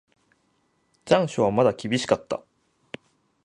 残暑はまだ厳しかった。